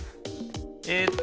えっと